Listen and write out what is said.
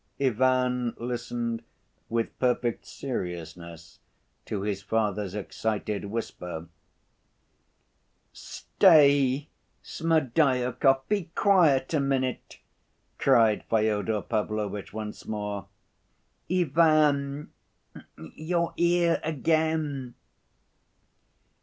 Ivan listened with perfect seriousness to his father's excited whisper. "Stay, Smerdyakov, be quiet a minute," cried Fyodor Pavlovitch once more. "Ivan, your ear again."